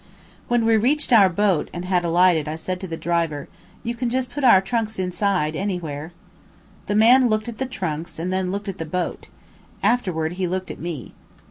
When we reached our boat, and had alighted, I said to the driver: "You can just put our trunks inside, anywhere." The man looked at the trunks and then looked at the boat. Afterward he looked at me.